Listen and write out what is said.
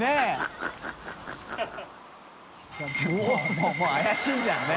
もう怪しいじゃんね。